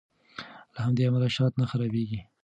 له همدې امله شات نه خرابیږي.